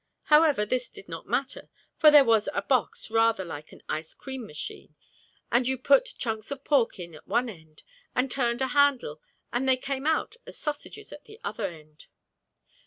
However, this did not matter, for there was a box rather like an ice cream machine, and you put chunks of pork in at one end and turned a handle and they came out as sausages at the other end.